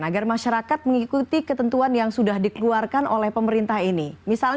bagaimana kemudian memastikan